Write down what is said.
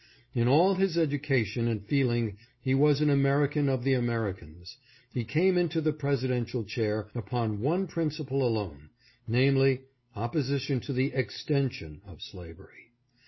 In all his education and feeling he was an American of the Ameri cans. He came into the Presidential chair upon one principle alone, namely, opposition to the extension of slavery.